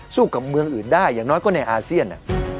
สู้กับเมืองอื่นได้อย่างน้อยก็ในอาเซียน